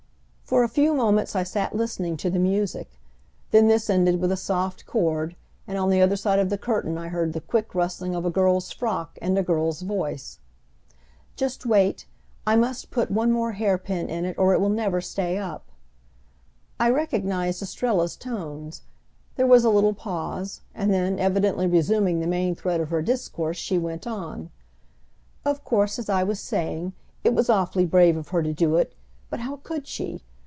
For a few moments I sat listening to the music. Then this ended with a soft chord, and on the other side of the curtain I heard the quick rustling of a girl's frock, and a girl's voice, "Just wait, I must put one more hair pin in it or it never will stay up." I recognized Estrella's tones. There was a little pause, and then, evidently resuming the main thread of her discourse she went on, "Of course, as I was saying, it was awfully brave of her to do it, but how could she!